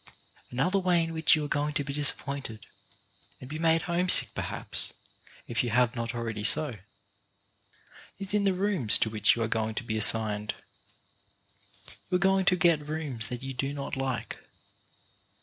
Another way in which you are going to be dis appointed, and be made homesick, perhaps, if you have not already been made so, is in the rooms to which you are going to be assigned. You are going to get rooms that you do not like.